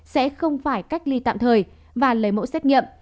sẽ không phải cách ly tạm thời và lấy mẫu xét nghiệm